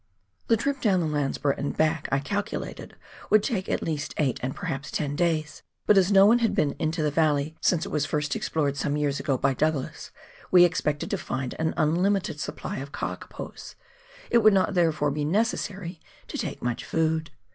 The trip down the Landsborough and back I calculated would take at least eight, and perhaps ten, days ; but as no one had been into the valley since it was first LANDSBOROUGH RIVER. 215 explored some years ago by Douglas, we expected to find an unlimited supply of kakapos ; it would not, therefore, be necessary to take much food.